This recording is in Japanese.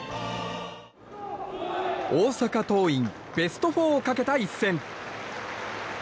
大阪桐蔭ベスト４をかけた一戦。